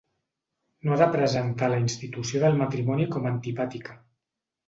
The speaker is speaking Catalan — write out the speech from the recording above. No ha de presentar la institució del matrimoni com a antipàtica.